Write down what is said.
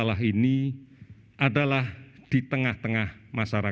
hehe toh juga sebuah humong konten porosional to shenng